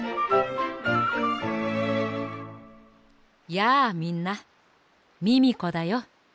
やあみんなミミコだよ。